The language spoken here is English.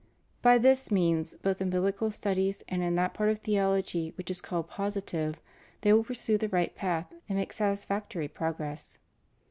By this means, both in biblical studies and in that part of theology which is called positive, they will pursue the right path and make satisfactory progress.